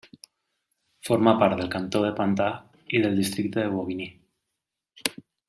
Forma part del cantó de Pantin i del districte de Bobigny.